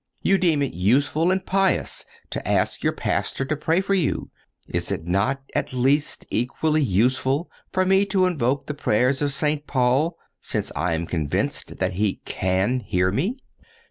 You deem it useful and pious to ask your pastor to pray for you. Is it not, at least, equally useful for me to invoke the prayers of St. Paul, since I am convinced that he can hear me?